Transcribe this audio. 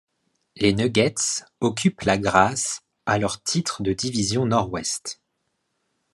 Les Nuggets occupent la grâce à leur titre de division Nord-Ouest.